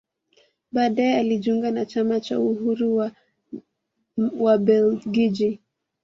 Baadae alijiunga na chama cha Uhuru wa Wabelgiji